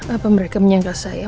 apa mereka menyangka saya